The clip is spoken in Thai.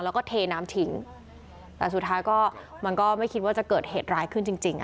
แล้วก็เทน้ำทิ้งแต่สุดท้ายก็มันก็ไม่คิดว่าจะเกิดเหตุร้ายขึ้นจริงจริงอ่ะ